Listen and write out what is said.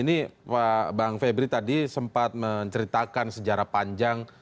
ini bang febri tadi sempat menceritakan sejarah panjang